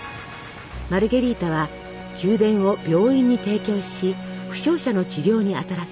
マルゲリータは宮殿を病院に提供し負傷者の治療に当たらせます。